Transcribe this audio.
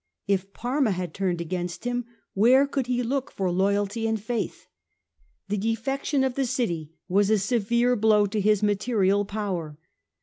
If Parma had turned against him, where could he look for loyalty and faith ? The defection of the city was a severe blow to his material power.